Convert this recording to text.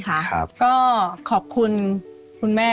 ลูกขาดแม่